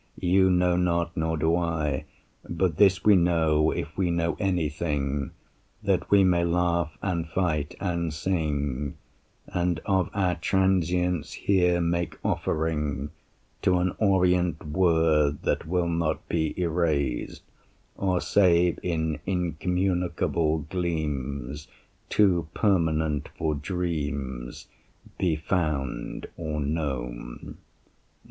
You know not, nor do I. But this we know, if we know anything: That we may laugh and fight and sing And of our transience here make offering To an orient Word that will not be erased, Or, save in incommunicable gleams Too permanent for dreams, Be found or known.